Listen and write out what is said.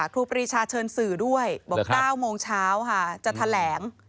ครูปรีชาเชิญสื่อด้วยบอก๙โมงเช้าค่ะจะแถลง